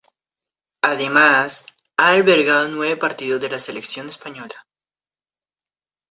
Además, ha albergado nueve partidos de la selección española.